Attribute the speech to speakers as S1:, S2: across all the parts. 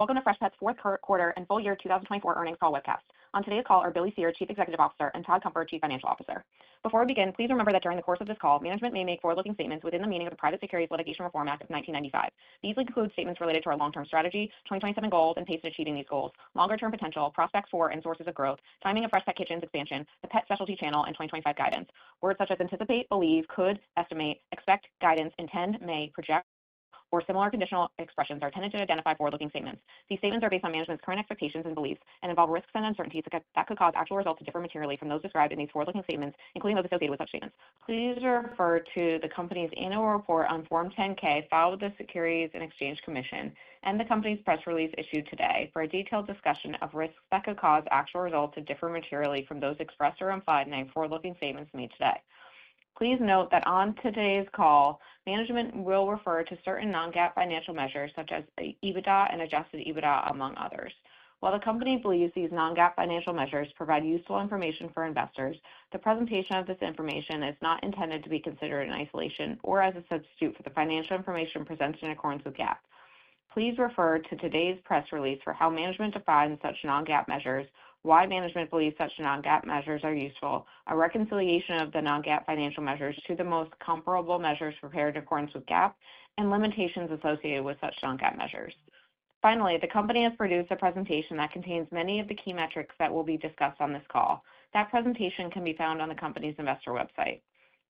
S1: Welcome to Freshpet's fourth quarter and full year 2024 earnings call webcast. On today's call are Billy Cyr, Chief Executive Officer, and Todd Cunfer, Chief Financial Officer. Before we begin, please remember that during the course of this call, management may make forward-looking statements within the meaning of the Private Securities Litigation Reform Act of 1995. These include statements related to our long-term strategy, 2027 goals, and pace to achieving these goals, longer-term potential, prospects for, and sources of growth, timing of Freshpet Kitchens expansion, the pet specialty channel, and 2025 guidance. Words such as anticipate, believe, could, estimate, expect, guidance, intend, may, project, or similar conditional expressions are intended to identify forward-looking statements. These statements are based on management's current expectations and beliefs and involve risks and uncertainties that could cause actual results to differ materially from those described in these forward-looking statements, including those associated with such statements. Please refer to the company's annual report on Form 10-K filed with the Securities and Exchange Commission and the company's press release issued today for a detailed discussion of risks that could cause actual results to differ materially from those expressed or implied in any forward-looking statements made today. Please note that on today's call, management will refer to certain non-GAAP financial measures such as EBITDA and adjusted EBITDA, among others. While the company believes these non-GAAP financial measures provide useful information for investors, the presentation of this information is not intended to be considered in isolation or as a substitute for the financial information presented in accordance with GAAP. Please refer to today's press release for how management defines such non-GAAP measures, why management believes such non-GAAP measures are useful, a reconciliation of the non-GAAP financial measures to the most comparable measures prepared in accordance with GAAP, and limitations associated with such non-GAAP measures. Finally, the company has produced a presentation that contains many of the key metrics that will be discussed on this call. That presentation can be found on the company's investor website.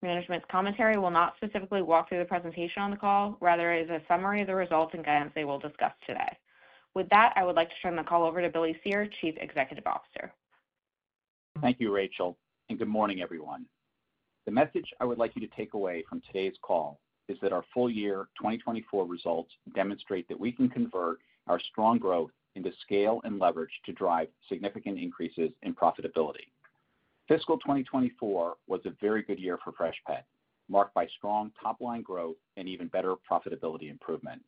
S1: Management's commentary will not specifically walk through the presentation on the call; rather, it is a summary of the results and guidance they will discuss today. With that, I would like to turn the call over to Billy Cyr, Chief Executive Officer.
S2: Thank you, Rachel, and good morning, everyone. The message I would like you to take away from today's call is that our full year 2024 results demonstrate that we can convert our strong growth into scale and leverage to drive significant increases in profitability. Fiscal 2024 was a very good year for Freshpet, marked by strong top-line growth and even better profitability improvement.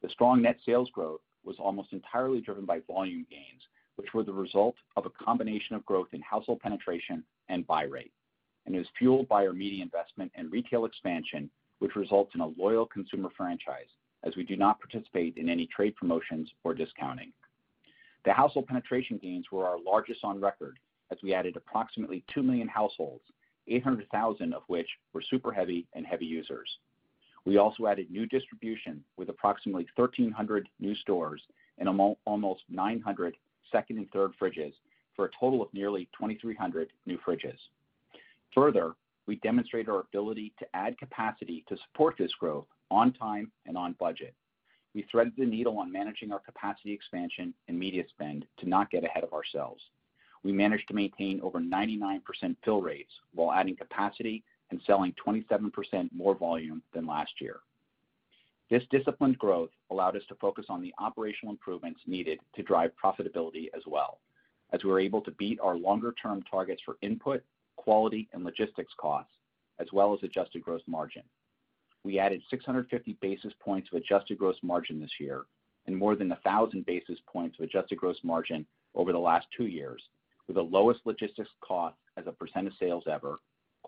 S2: The strong net sales growth was almost entirely driven by volume gains, which were the result of a combination of growth in household penetration and buy rate, and it was fueled by our media investment and retail expansion, which results in a loyal consumer franchise, as we do not participate in any trade promotions or discounting. The household penetration gains were our largest on record, as we added approximately 2 million households, 800,000 of which were super heavy and heavy users. We also added new distribution with approximately 1,300 new stores and almost 900 second and third fridges, for a total of nearly 2,300 new fridges. Further, we demonstrated our ability to add capacity to support this growth on time and on budget. We threaded the needle on managing our capacity expansion and media spend to not get ahead of ourselves. We managed to maintain over 99% fill rates while adding capacity and selling 27% more volume than last year. This disciplined growth allowed us to focus on the operational improvements needed to drive profitability as well as we were able to beat our longer-term targets for input, quality, and logistics costs, as well as adjusted gross margin. We added 650 basis points of adjusted gross margin this year and more than 1,000 basis points of adjusted gross margin over the last two years, with the lowest logistics costs as a percent of sales ever,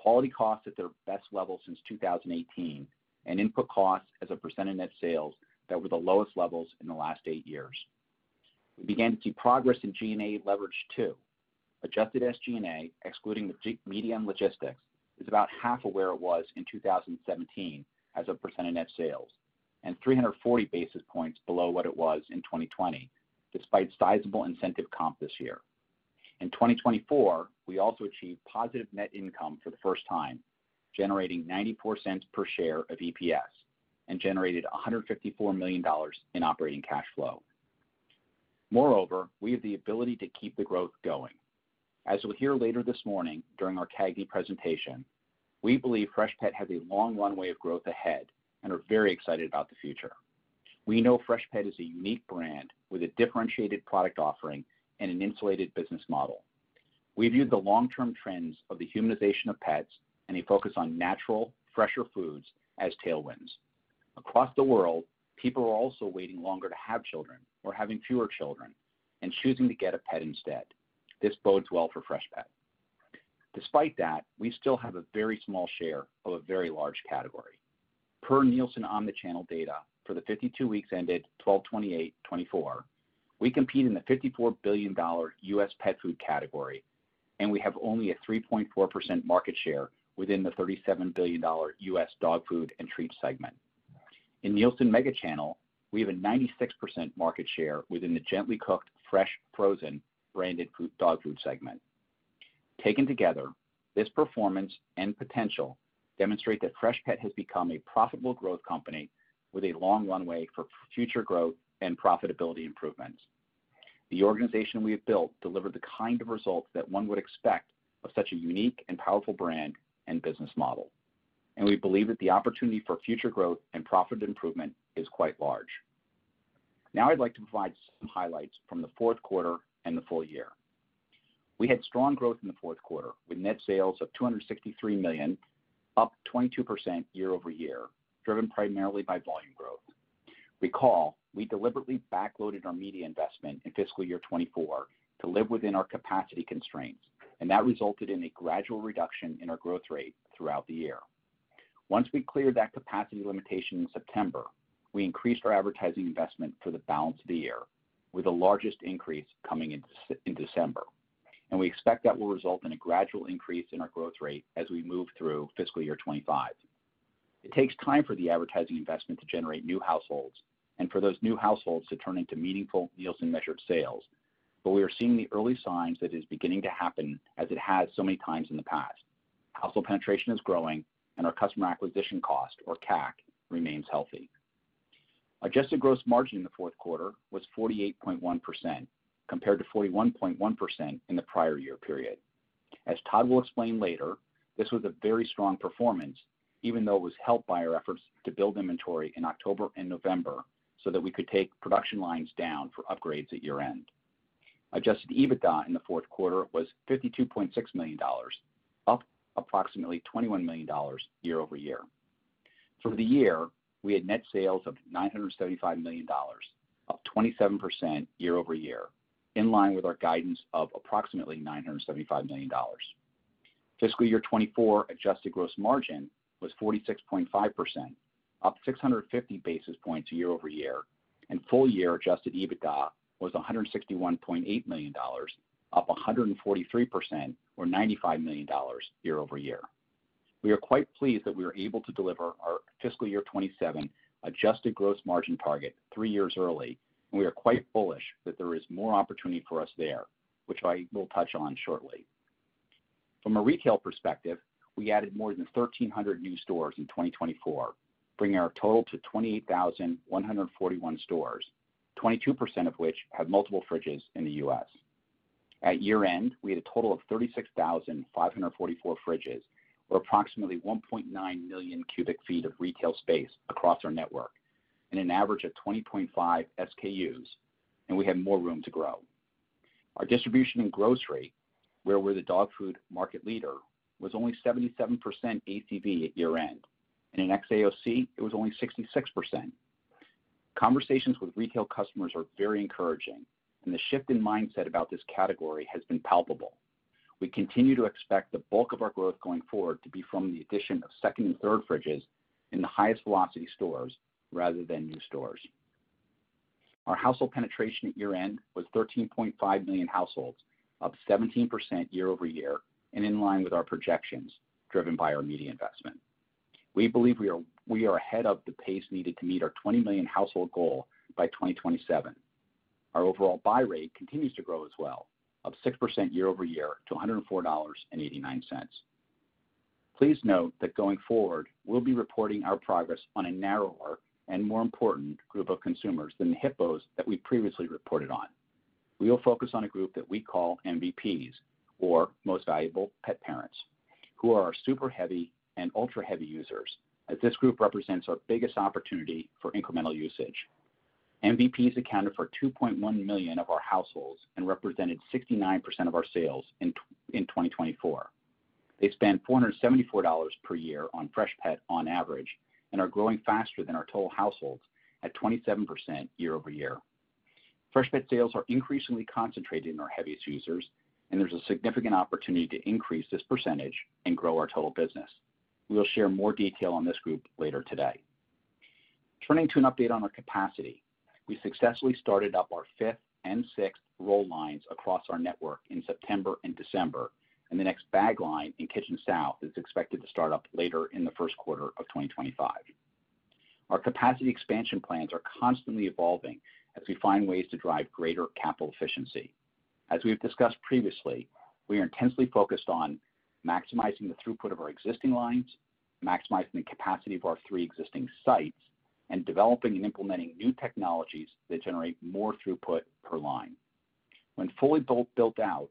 S2: quality costs at their best level since 2018, and input costs as a percent of net sales that were the lowest levels in the last eight years. We began to see progress in G&A leverage too. Adjusted SG&A, excluding the media and logistics, is about half of where it was in 2017 as a percent of net sales, and 340 basis points below what it was in 2020, despite sizable incentive comp this year. In 2024, we also achieved positive net income for the first time, generating $0.94 per share of EPS and generated $154 million in operating cash flow. Moreover, we have the ability to keep the growth going. As you'll hear later this morning during our CAGNY presentation, we believe Freshpet has a long runway of growth ahead and are very excited about the future. We know Freshpet is a unique brand with a differentiated product offering and an insulated business model. We view the long-term trends of the humanization of pets and a focus on natural, fresher foods as tailwinds. Across the world, people are also waiting longer to have children or having fewer children and choosing to get a pet instead. This bodes well for Freshpet. Despite that, we still have a very small share of a very large category. Per Nielsen Omnichannel data, for the 52 weeks ended 12/28/2024, we compete in the $54 billion U.S. pet food category, and we have only a 3.4% market share within the $37 billion U.S. dog food and treats segment. In Nielsen Megachannel, we have a 96% market share within the gently cooked, fresh, frozen, branded dog food segment. Taken together, this performance and potential demonstrate that Freshpet has become a profitable growth company with a long runway for future growth and profitability improvements. The organization we have built delivered the kind of results that one would expect of such a unique and powerful brand and business model, and we believe that the opportunity for future growth and profit improvement is quite large. Now I'd like to provide some highlights from the fourth quarter and the full year. We had strong growth in the fourth quarter with net sales of $263 million, up 22% year over year, driven primarily by volume growth. Recall, we deliberately backloaded our media investment in fiscal year 2024 to live within our capacity constraints, and that resulted in a gradual reduction in our growth rate throughout the year. Once we cleared that capacity limitation in September, we increased our advertising investment for the balance of the year, with the largest increase coming in December, and we expect that will result in a gradual increase in our growth rate as we move through fiscal year 2025. It takes time for the advertising investment to generate new households and for those new households to turn into meaningful Nielsen-measured sales, but we are seeing the early signs that it is beginning to happen as it has so many times in the past. Household penetration is growing, and our customer acquisition cost, or CAC, remains healthy. Adjusted gross margin in the fourth quarter was 48.1% compared to 41.1% in the prior year period. As Todd will explain later, this was a very strong performance, even though it was helped by our efforts to build inventory in October and November so that we could take production lines down for upgrades at year-end. Adjusted EBITDA in the fourth quarter was $52.6 million, up approximately $21 million year over year. For the year, we had net sales of $975 million, up 27% year over year, in line with our guidance of approximately $975 million. Fiscal year 2024 adjusted gross margin was 46.5%, up 650 basis points year over year, and full year adjusted EBITDA was $161.8 million, up 143%, or $95 million year over year. We are quite pleased that we were able to deliver our fiscal year 2027 adjusted gross margin target three years early, and we are quite bullish that there is more opportunity for us there, which I will touch on shortly. From a retail perspective, we added more than 1,300 new stores in 2024, bringing our total to 28,141 stores, 22% of which have multiple fridges in the U.S. At year-end, we had a total of 36,544 fridges, or approximately 1.9 million cubic feet of retail space across our network, and an average of 20.5 SKUs, and we had more room to grow. Our distribution in grocery, where we're the dog food market leader, was only 77% ACV at year-end, and in XAOC, it was only 66%. Conversations with retail customers are very encouraging, and the shift in mindset about this category has been palpable. We continue to expect the bulk of our growth going forward to be from the addition of second and third fridges in the highest velocity stores rather than new stores. Our household penetration at year-end was 13.5 million households, up 17% year over year, and in line with our projections driven by our media investment. We believe we are ahead of the pace needed to meet our 20 million household goal by 2027. Our overall buy rate continues to grow as well, up 6% year over year to $104.89. Please note that going forward, we'll be reporting our progress on a narrower and more important group of consumers than the HIPPOs that we've previously reported on. We will focus on a group that we call MVPs, or most valuable pet parents, who are our super heavy and ultra heavy users, as this group represents our biggest opportunity for incremental usage. MVPs accounted for 2.1 million of our households and represented 69% of our sales in 2024. They spend $474 per year on Freshpet on average and are growing faster than our total households at 27% year over year. Freshpet sales are increasingly concentrated in our heaviest users, and there's a significant opportunity to increase this percentage and grow our total business. We will share more detail on this group later today. Turning to an update on our capacity, we successfully started up our fifth and sixth roll lines across our network in September and December, and the next bag line in Kitchen South is expected to start up later in the first quarter of 2025. Our capacity expansion plans are constantly evolving as we find ways to drive greater capital efficiency. As we've discussed previously, we are intensely focused on maximizing the throughput of our existing lines, maximizing the capacity of our three existing sites, and developing and implementing new technologies that generate more throughput per line. When fully built out,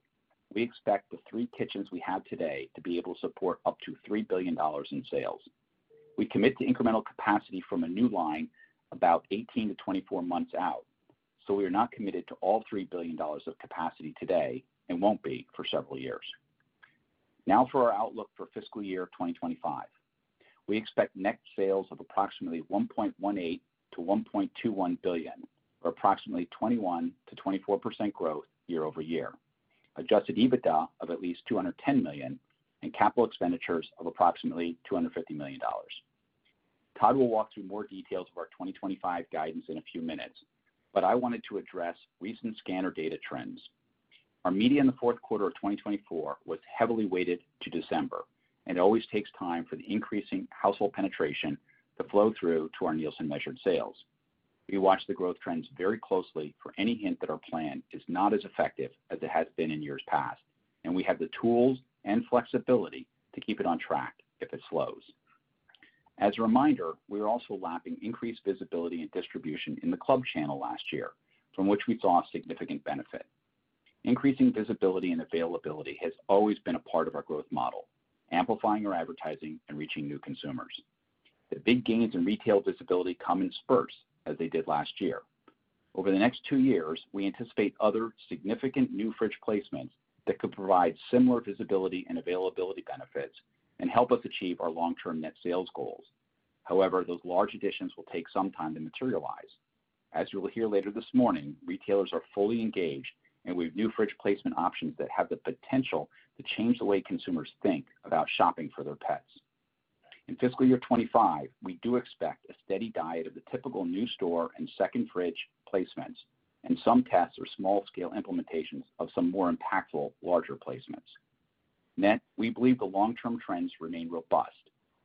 S2: we expect the three kitchens we have today to be able to support up to $3 billion in sales. We commit to incremental capacity from a new line about 18 to 24 months out, so we are not committed to all $3 billion of capacity today and won't be for several years. Now for our outlook for fiscal year 2025. We expect net sales of approximately $1.18-$1.21 billion, or approximately 21%-24% growth year over year, Adjusted EBITDA of at least $210 million, and capital expenditures of approximately $250 million. Todd will walk through more details of our 2025 guidance in a few minutes, but I wanted to address recent scanner data trends. Our media in the fourth quarter of 2024 was heavily weighted to December, and it always takes time for the increasing household penetration to flow through to our Nielsen-measured sales. We watch the growth trends very closely for any hint that our plan is not as effective as it has been in years past, and we have the tools and flexibility to keep it on track if it slows. As a reminder, we are also lapping increased visibility and distribution in the club channel last year, from which we saw significant benefit. Increasing visibility and availability has always been a part of our growth model, amplifying our advertising and reaching new consumers. The big gains in retail visibility come in spurts as they did last year. Over the next two years, we anticipate other significant new fridge placements that could provide similar visibility and availability benefits and help us achieve our long-term net sales goals. However, those large additions will take some time to materialize. As you will hear later this morning, retailers are fully engaged, and we have new fridge placement options that have the potential to change the way consumers think about shopping for their pets. In fiscal year 2025, we do expect a steady diet of the typical new store and second fridge placements and some tests or small-scale implementations of some more impactful larger placements. Yet, we believe the long-term trends remain robust,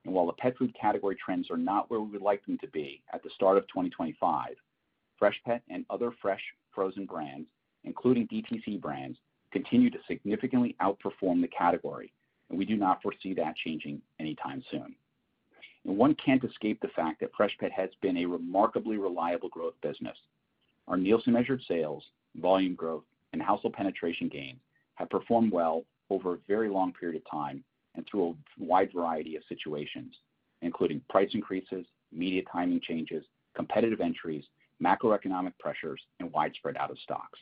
S2: and while the pet food category trends are not where we would like them to be at the start of 2025, Freshpet and other fresh frozen brands, including DTC brands, continue to significantly outperform the category, and we do not foresee that changing anytime soon. One can't escape the fact that Freshpet has been a remarkably reliable growth business. Our Nielsen-measured sales, volume growth, and household penetration gains have performed well over a very long period of time and through a wide variety of situations, including price increases, media timing changes, competitive entries, macroeconomic pressures, and widespread out-of-stocks,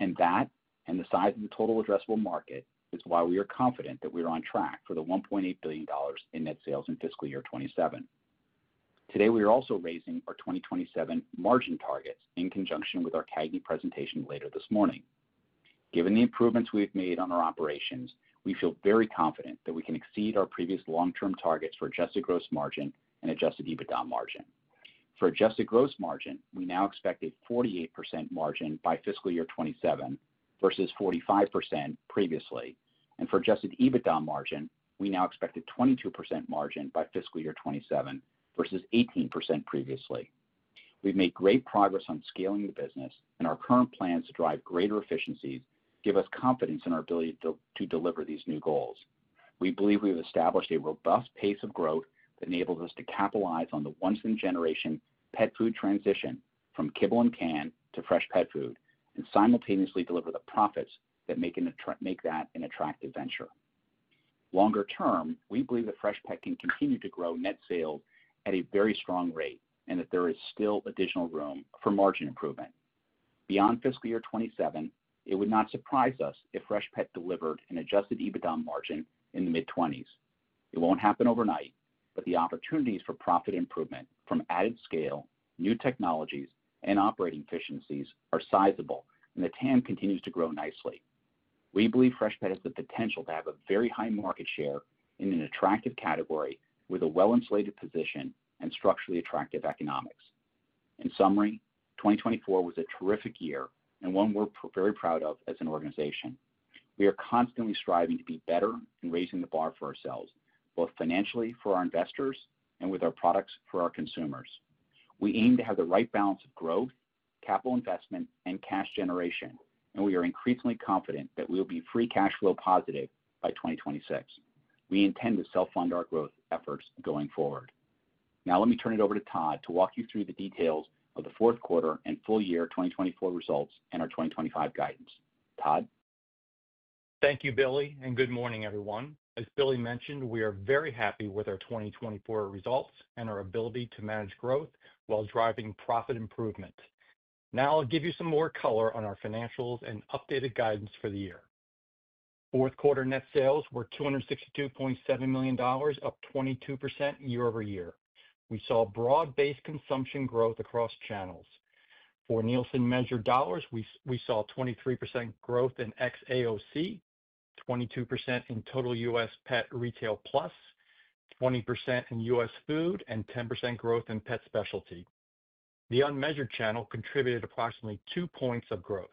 S2: and that, and the size of the total addressable market, is why we are confident that we are on track for the $1.8 billion in net sales in fiscal year 2027. Today, we are also raising our 2027 margin targets in conjunction with our CAGNY presentation later this morning. Given the improvements we've made on our operations, we feel very confident that we can exceed our previous long-term targets for adjusted gross margin and adjusted EBITDA margin. For adjusted gross margin, we now expect a 48% margin by fiscal year 2027 versus 45% previously, and for adjusted EBITDA margin, we now expect a 22% margin by fiscal year 2027 versus 18% previously. We've made great progress on scaling the business, and our current plans to drive greater efficiencies give us confidence in our ability to deliver these new goals. We believe we have established a robust pace of growth that enables us to capitalize on the once-in-a-generation pet food transition from kibble and can to fresh pet food and simultaneously deliver the profits that make that an attractive venture. Longer term, we believe that Freshpet can continue to grow net sales at a very strong rate and that there is still additional room for margin improvement. Beyond fiscal year 2027, it would not surprise us if Freshpet delivered an adjusted EBITDA margin in the mid-20s. It won't happen overnight, but the opportunities for profit improvement from added scale, new technologies, and operating efficiencies are sizable, and the TAM continues to grow nicely. We believe Freshpet has the potential to have a very high market share in an attractive category with a well-insulated position and structurally attractive economics. In summary, 2024 was a terrific year and one we're very proud of as an organization. We are constantly striving to be better and raising the bar for ourselves, both financially for our investors and with our products for our consumers. We aim to have the right balance of growth, capital investment, and cash generation, and we are increasingly confident that we will be free cash flow positive by 2026. We intend to self-fund our growth efforts going forward. Now let me turn it over to Todd to walk you through the details of the fourth quarter and full year 2024 results and our 2025 guidance. Todd?
S3: Thank you, Billy, and good morning, everyone. As Billy mentioned, we are very happy with our 2024 results and our ability to manage growth while driving profit improvement. Now I'll give you some more color on our financials and updated guidance for the year. Fourth quarter net sales were $262.7 million, up 22% year over year. We saw broad-based consumption growth across channels. For Nielsen-measured dollars, we saw 23% growth in XAOC, 22% in total U.S. Pet Retail Plus, 20% in U.S. Food, and 10% growth in pet specialty. The unmeasured channel contributed approximately two points of growth.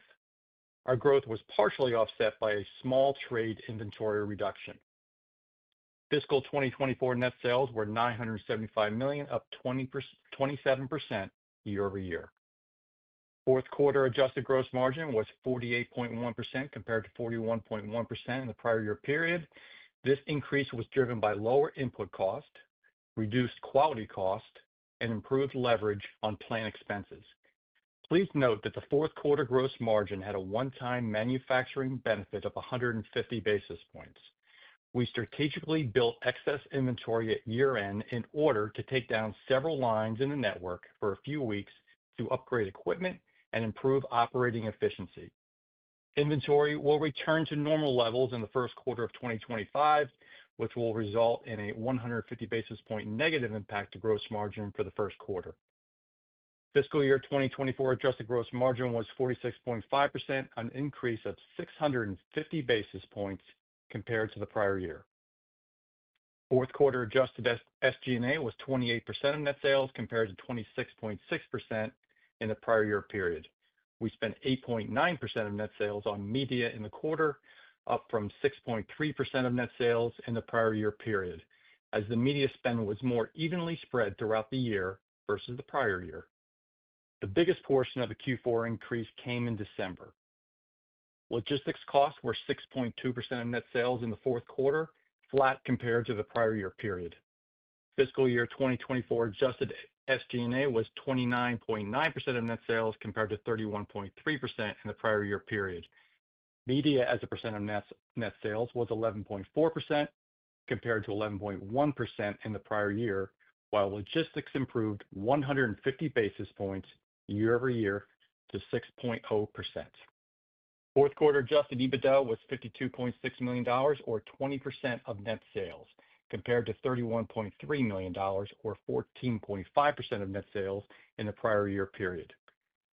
S3: Our growth was partially offset by a small trade inventory reduction. Fiscal 2024 net sales were $975 million, up 27% year over year. Fourth quarter adjusted gross margin was 48.1% compared to 41.1% in the prior year period. This increase was driven by lower input cost, reduced quality cost, and improved leverage on planned expenses. Please note that the fourth quarter gross margin had a one-time manufacturing benefit of 150 basis points. We strategically built excess inventory at year-end in order to take down several lines in the network for a few weeks to upgrade equipment and improve operating efficiency. Inventory will return to normal levels in the first quarter of 2025, which will result in a 150 basis point negative impact to gross margin for the first quarter. Fiscal year 2024 adjusted gross margin was 46.5%, an increase of 650 basis points compared to the prior year. Fourth quarter adjusted SG&A was 28% of net sales compared to 26.6% in the prior year period. We spent 8.9% of net sales on media in the quarter, up from 6.3% of net sales in the prior year period, as the media spend was more evenly spread throughout the year versus the prior year. The biggest portion of the Q4 increase came in December. Logistics costs were 6.2% of net sales in the fourth quarter, flat compared to the prior year period. Fiscal year 2024 adjusted SG&A was 29.9% of net sales compared to 31.3% in the prior year period. Media as a % of net sales was 11.4% compared to 11.1% in the prior year, while logistics improved 150 basis points year over year to 6.0%. Fourth quarter adjusted EBITDA was $52.6 million, or 20% of net sales, compared to $31.3 million, or 14.5% of net sales in the prior year period.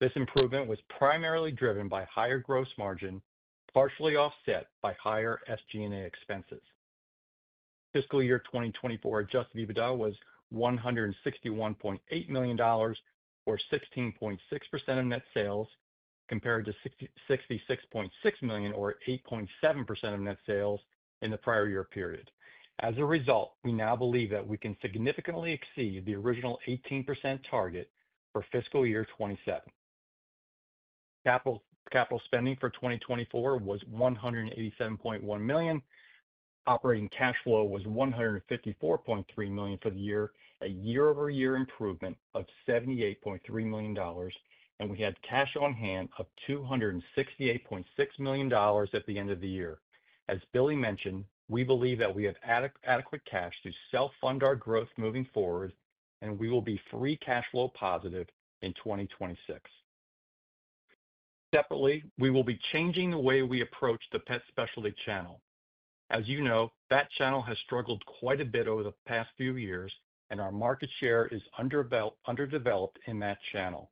S3: This improvement was primarily driven by higher gross margin, partially offset by higher SG&A expenses. Fiscal year 2024 adjusted EBITDA was $161.8 million, or 16.6% of net sales, compared to $66.6 million, or 8.7% of net sales in the prior year period. As a result, we now believe that we can significantly exceed the original 18% target for fiscal year 2027. Capital spending for 2024 was $187.1 million. Operating cash flow was $154.3 million for the year, a year-over-year improvement of $78.3 million, and we had cash on hand of $268.6 million at the end of the year. As Billy mentioned, we believe that we have adequate cash to self-fund our growth moving forward, and we will be free cash flow positive in 2026. Separately, we will be changing the way we approach the pet specialty channel. As you know, that channel has struggled quite a bit over the past few years, and our market share is underdeveloped in that channel.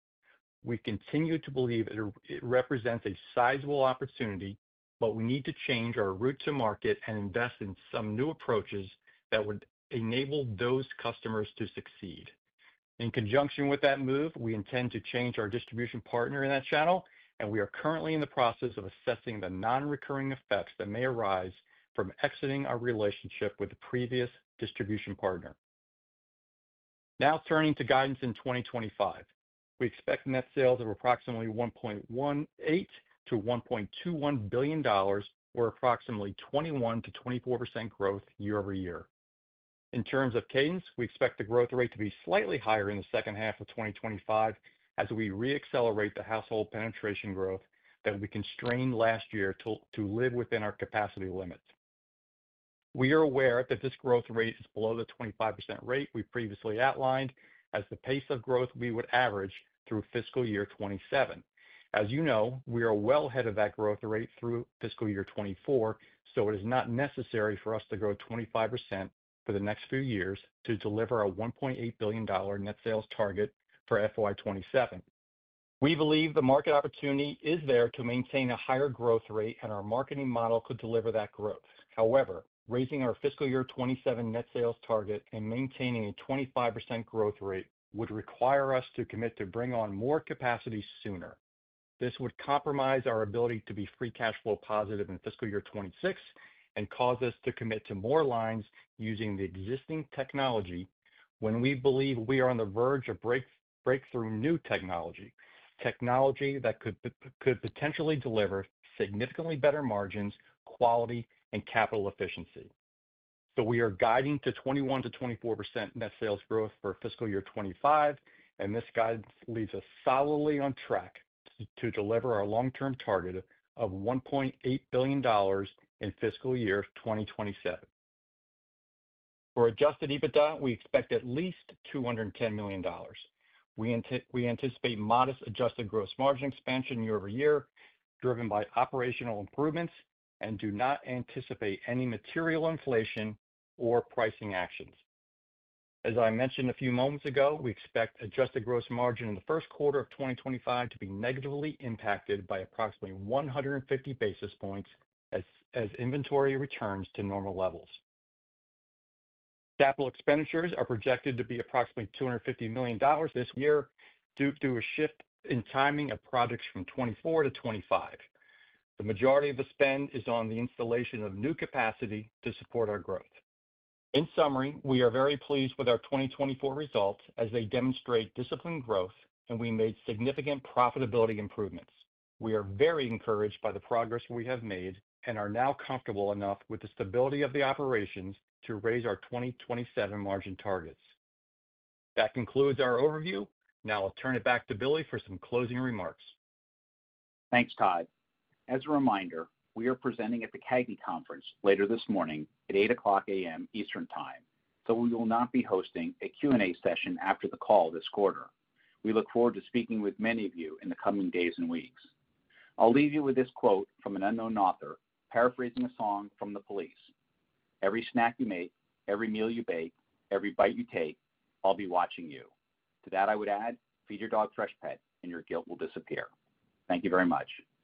S3: We continue to believe it represents a sizable opportunity, but we need to change our route to market and invest in some new approaches that would enable those customers to succeed. In conjunction with that move, we intend to change our distribution partner in that channel, and we are currently in the process of assessing the non-recurring effects that may arise from exiting our relationship with the previous distribution partner. Now turning to guidance in 2025, we expect net sales of approximately $1.18-$1.21 billion, or approximately 21%-24% growth year over year. In terms of cadence, we expect the growth rate to be slightly higher in the second half of 2025 as we re-accelerate the household penetration growth that we constrained last year to live within our capacity limits. We are aware that this growth rate is below the 25% rate we previously outlined as the pace of growth we would average through fiscal year 2027. As you know, we are well ahead of that growth rate through fiscal year 2024, so it is not necessary for us to grow 25% for the next few years to deliver our $1.8 billion net sales target for FY 2027. We believe the market opportunity is there to maintain a higher growth rate, and our marketing model could deliver that growth. However, raising our fiscal year 2027 net sales target and maintaining a 25% growth rate would require us to commit to bring on more capacity sooner. This would compromise our ability to be free cash flow positive in fiscal year 2026 and cause us to commit to more lines using the existing technology when we believe we are on the verge of breakthrough new technology, technology that could potentially deliver significantly better margins, quality, and capital efficiency. We are guiding to 21%-24% net sales growth for fiscal year 2025, and this guidance leaves us solidly on track to deliver our long-term target of $1.8 billion in fiscal year 2027. For adjusted EBITDA, we expect at least $210 million. We anticipate modest adjusted gross margin expansion year over year driven by operational improvements and do not anticipate any material inflation or pricing actions. As I mentioned a few moments ago, we expect adjusted gross margin in the first quarter of 2025 to be negatively impacted by approximately 150 basis points as inventory returns to normal levels. Capital expenditures are projected to be approximately $250 million this year due to a shift in timing of projects from 2024 to 2025. The majority of the spend is on the installation of new capacity to support our growth. In summary, we are very pleased with our 2024 results as they demonstrate disciplined growth, and we made significant profitability improvements. We are very encouraged by the progress we have made and are now comfortable enough with the stability of the operations to raise our 2027 margin targets. That concludes our overview. Now I'll turn it back to Billy for some closing remarks.
S2: Thanks, Todd. As a reminder, we are presenting at the CAGNY Conference later this morning at 8:00 A.M. Eastern Time, so we will not be hosting a Q&A session after the call this quarter. We look forward to speaking with many of you in the coming days and weeks. I'll leave you with this quote from an unknown author paraphrasing a song from The Police, "Every snack you make, every meal you bake, every bite you take, I'll be watching you." To that, I would add, "Feed your dog, Freshpet, and your guilt will disappear." Thank you very much.